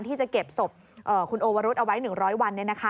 ที่จะเก็บศพคุณโอวรุธเอาไว้๑๐๐วัน